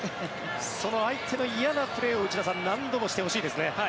その相手の嫌なプレーを内田さん何度もしてほしいですね。